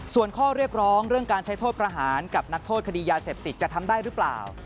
ส่วนข้อเรียกร้องเรื่องการใช้โทษประหารกับนักโทษคดียาเสพติดจะทำได้หรือเปล่า